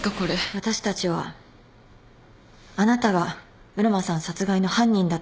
私たちはあなたが浦真さん殺害の犯人だと思っています。